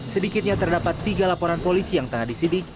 sedikitnya terdapat tiga laporan polisi yang tengah disidik